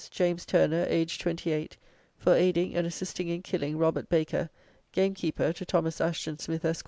James Turner, aged 28, for aiding and assisting in killing Robert Baker, gamekeeper to Thomas Asheton Smith, Esq.